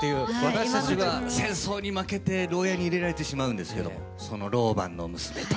私たちは戦争に負けて牢屋に入れられてしまうんですけどもその牢番の娘と。